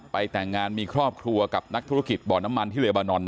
แต่งงานมีครอบครัวกับนักธุรกิจบ่อน้ำมันที่เลบานอน